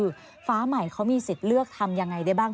คือฟ้าใหม่เขามีสิทธิ์เลือกทำยังไงได้บ้าง